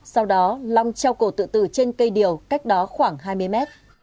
sau đó long treo cổ tự tử trên cây điều cách đó khoảng hai mươi mét